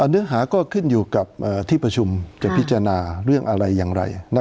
เนื้อหาก็ขึ้นอยู่กับที่ประชุมจะพิจารณาเรื่องอะไรอย่างไร